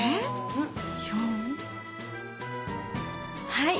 はい！